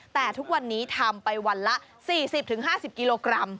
แต่ทุกวันนี้ทำไปวันละ๔๐๕๐กิโลกรัม